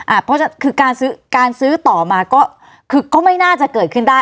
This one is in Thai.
เพราะฉะนั้นคือการซื้อการซื้อต่อมาก็คือก็ไม่น่าจะเกิดขึ้นได้